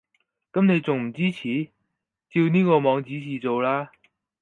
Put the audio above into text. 噉你仲唔支持？照呢個網指示做啦